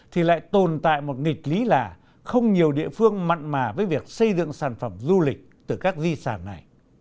thì lại tồn tại một nghịch lý là không nhiều địa phương mặn mà với việc xây dựng sản phẩm du lịch từ các di sản này